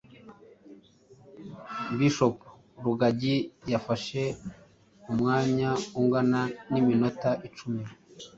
bishop rugagi yafashe umwanya ungana n’iminota icumi